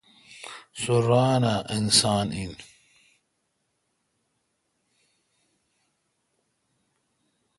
سو ران اؘ اسان این۔